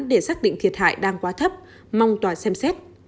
để xác định thiệt hại đang quá thấp mong tòa xem xét